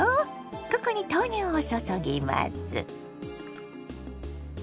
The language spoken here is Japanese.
ここに豆乳を注ぎます。